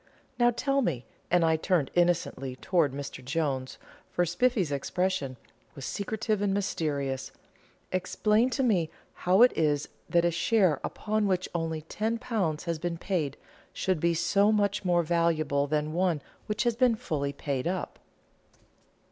"Now tell me," and I turned innocently towards Mr Jones, for Spiffy's expression was secretive and mysterious "explain to me how it is that a share upon which only £10 has been paid, should be so much more valuable than one which has been fully paid up."